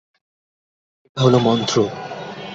এটা হলো মন্ত্র।